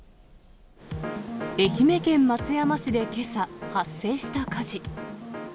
愛媛県松山市でけさ発生した火事。